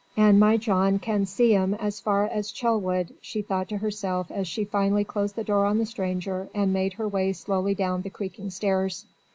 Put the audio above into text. "And my John can see 'im as far as Chelwood," she thought to herself as she finally closed the door on the stranger and made her way slowly down the creaking stairs.